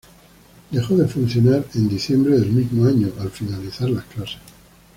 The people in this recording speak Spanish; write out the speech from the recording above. Dejó de funcionar en diciembre del mismo año, al finalizar las clases.